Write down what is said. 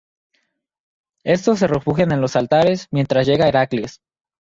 Éstos se refugian en los altares, mientras llega Heracles.